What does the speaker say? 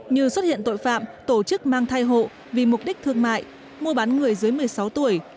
như xuất hiện tội phạm tổ chức mang thai hộ vì mục đích thương mại mua bán người dưới một mươi sáu tuổi